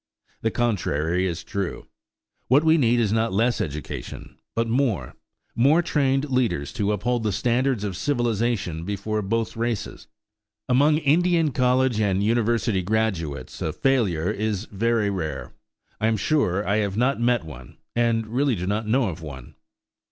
The contrary is true. What we need is not less education, but more; more trained leaders to uphold the standards of civilization before both races. Among Indian college and university graduates a failure is very rare; I am sure I have not met one, and really do not know of one.